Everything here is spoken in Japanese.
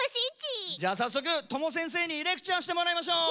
じゃあさっそくＴＯＭＯせんせいにレクチャーしてもらいましょう！